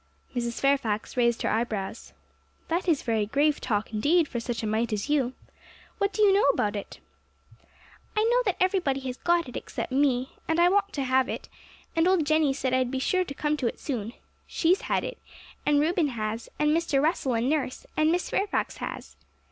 Mrs. Fairfax raised her eyebrows. 'That is very grave talk indeed for such a mite as you. What do you know about it?' 'I know that everybody has got it except me, and I want to have it; and old Jenny said I'd be sure to come to it soon. She's had it, and Reuben has, and Mr. Russell, and nurse, and Miss Fairfax has.